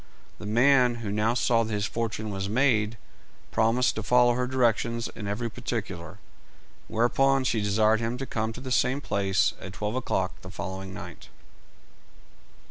The man, who now saw that his fortune was made, promised to follow her directions in every particular, whereupon she desired him to come to the same place at twelve o'clock the following night.